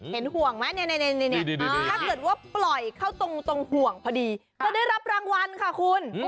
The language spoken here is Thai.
เห็นห่วงไหมถ้าเกิดว่าปล่อยเข้าตรงห่วงพอดีจะได้รับรางวัลค่ะคุณ